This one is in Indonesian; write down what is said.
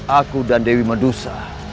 aku dan dewi medusa